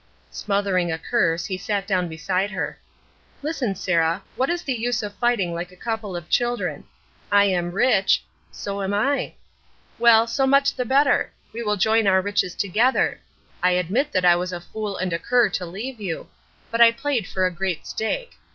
Smothering a curse, he sat down beside her. "Listen, Sarah. What is the use of fighting like a couple of children. I am rich " "So am I." "Well, so much the better. We will join our riches together. I admit that I was a fool and a cur to leave you; but I played for a great stake.